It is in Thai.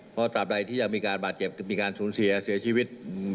เพราะตราบใดที่ยังมีการบาดเจ็บมีการสูญเสียเสียชีวิต